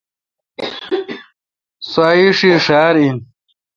سو ا ایݭی ݭار ا۔ ین